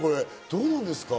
どうなんですか？